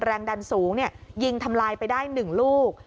แรงดันสูงยิงทำลายไปได้๑ลูก